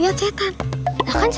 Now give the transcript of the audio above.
itu si haikal kira kira gelap